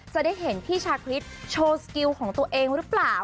จะได้เห็นพี่ชาคริสโชว์สกิลของตัวเองหรือเปล่า